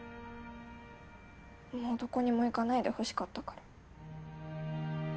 もうどこにも行かないでほしかったから。